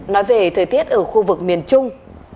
nói về thời tiết ở khu vực miền trung